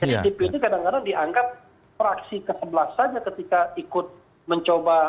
jadi dpd kadang kadang diangkat fraksi ke sebelas saja ketika ikut mencoba